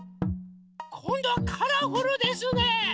⁉こんどはカラフルですね。